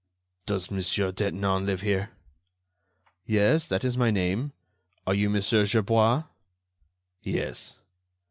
"Does Monsieur Detinan live here?" "Yes, that is my name. Are you Monsieur Gerbois?" "Yes."